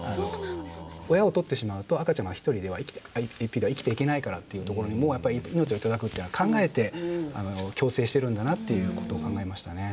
親を獲ってしまうと赤ちゃんは一匹では生きていけないからっていうところにもやっぱり命を頂くっていうのを考えて共生してるんだなということを考えましたね。